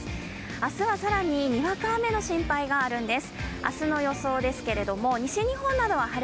明日は更ににわか雨の心配があるんです。